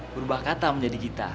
berubah kata menjadi kita